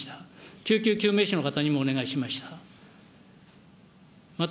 救急救命士の方にもお願いしました。